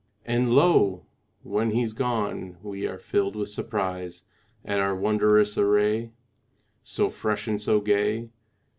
And lo! when he's gone we are filled with surprise At our wondrous array, So fresh and so gay.